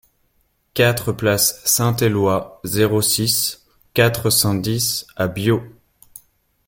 quatre place Saint-Eloi, zéro six, quatre cent dix à Biot